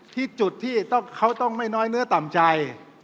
ที่จุดที่เขาต้องไม่น้อยเนื้อต่ำใจ